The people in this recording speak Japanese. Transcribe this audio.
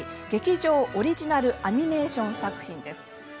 劇場オリジナルアニメーション作品です。